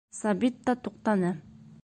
Сабит та туҡтаны.